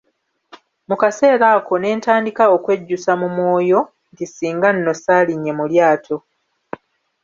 Mu kaseera ako ne ntandika okwejjusa mu mwoyo nti singa nno saalinnye mu lyato.